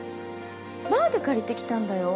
バーで借りて来たんだよ